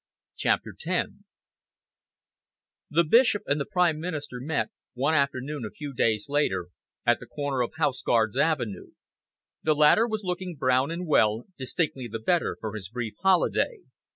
CHAPTER X The Bishop and the Prime Minister met, one afternoon a few days later, at the corner of Horse Guards Avenue. The latter was looking brown and well, distinctly the better for his brief holiday.